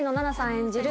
演じる